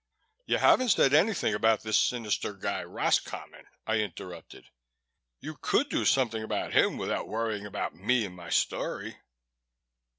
"You haven't said anything about this sinister guy Roscommon," I interrupted. "You could do something about him without worrying about me and my story."